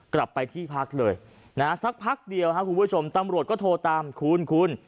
กลับไปที่พักเลยนะฮะสักพักเดียวครับคุณผู้ชมตำรวจก็โทรตามคุณคุณ